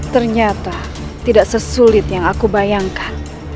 ternyata tidak sesulit yang aku bayangkan